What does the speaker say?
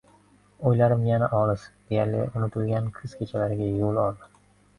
Oʻylarim yana olis, deyarli unutilgan kuz kechalariga yoʻl oldi.